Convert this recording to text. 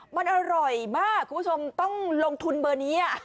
มันอร่อยมากคุณผู้ชมต้องลงทุนเบอร์นี้